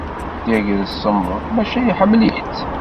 Tagrest semmḍet, maca iḥemmel-itt.